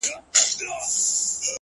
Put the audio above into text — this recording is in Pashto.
فريادي داده محبت کار په سلگيو نه سي _